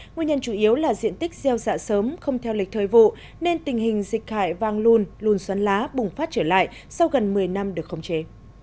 nguyên nhân chủ yếu là diện tích gieo dạ sớm không theo lịch thời vụ nên tình hình dịch hại vang lùn lùn xoắn lá bùng phát trở lại sau gần một mươi năm được khống chế